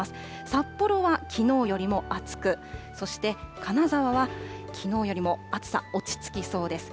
札幌はきのうよりも暑く、そして、金沢はきのうよりも暑さ落ち着きそうです。